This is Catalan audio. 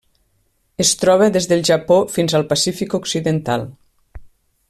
Es troba des del Japó fins al Pacífic occidental.